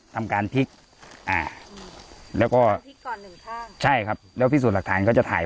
ทำการพลิกแล้วก็ใช่ครับแล้วพิสูจน์หลักฐานก็จะทำได้